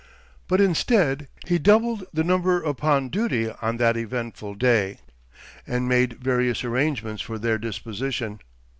But instead he doubled the number upon duty on that eventful day, and made various arrangements for their disposition.